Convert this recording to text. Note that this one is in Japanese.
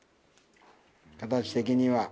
形的には。